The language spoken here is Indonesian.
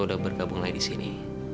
lu udah bergabung lagi di sini